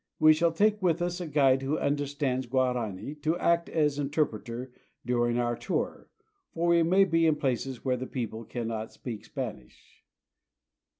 We shall take with us a guide who understands Guarani to act as interpreter during our tour, for we may be in places where the people cannot speak Spanish.